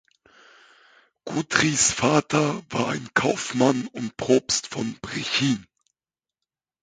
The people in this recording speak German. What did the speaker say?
Guthries Vater war ein Kaufmann und Propst von Brechin.